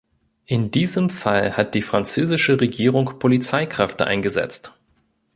In diesem Fall hat die französische Regierung Polizeikräfte eingesetzt.